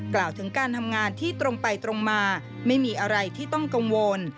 กล่าวถึงการทำงานที่ตรงไปตรงมาไม่มีอะไรที่ต้องกังวล